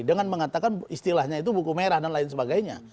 dengan mengatakan istilahnya itu buku merah dan lain sebagainya